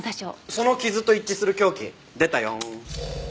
その傷と一致する凶器出たよ。